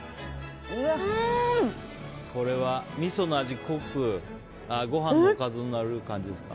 これはみその味が濃くご飯のおかずになる感じですか？